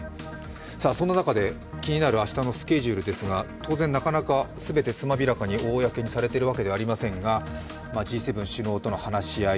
そんな中で気になる明日のスケジュールですが当然、なかなかすべてつまびらかに公にされているわけではありませんがＧ７首脳との話し合い